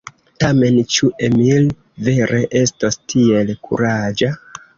Tamen ĉu Emil vere estos tiel kuraĝa?